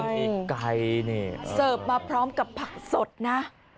มีไก่นี่เสิร์ฟมาพร้อมกับผักสดนะ